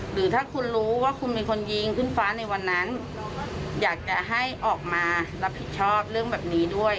หรือถ้าคุณรู้ว่าคุณเป็นคนยิงขึ้นฟ้าในวันนั้น